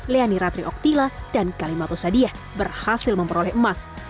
leoni ratri oktila dan kalimantus hadiah berhasil memperoleh emas